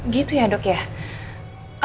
gitu ya dok ya